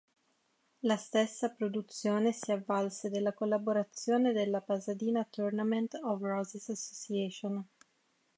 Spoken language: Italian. La stessa produzione si avvalse della collaborazione della Pasadena Tournament of Roses Association.